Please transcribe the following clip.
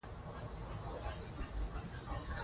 د نجونو ښوونځی د کلیوالو ژوند کیفیت کې بنسټیز بدلون راولي.